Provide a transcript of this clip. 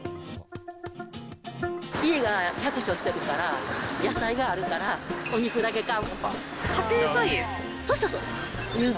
家が百姓してるから、野菜があるから、お肉だけ買う。